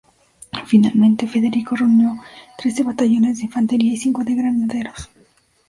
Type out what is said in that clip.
Finalmente, Federico reunió trece batallones de infantería y cinco de granaderos.